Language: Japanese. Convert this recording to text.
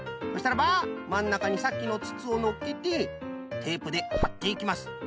そしたらばまんなかにさっきのつつをのっけてテープではっていきます。